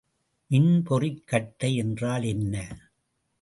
மின்பொறிக் கட்டை என்றால் என்ன?